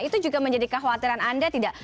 itu juga menjadi kekhawatiran anda tidak